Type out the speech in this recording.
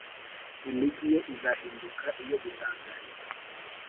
imigi ye izahinduka iyo gutangarirwa